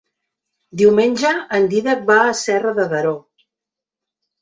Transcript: Diumenge en Dídac va a Serra de Daró.